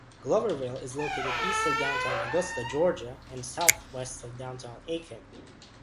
Gloverville is located east of downtown Augusta, Georgia, and southwest of downtown Aiken.